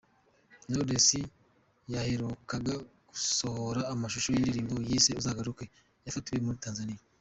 Knowless yaherukaga gusohora amashusho y’indirimbo yise "Uzagaruke" yafatiwe muri Tanzania.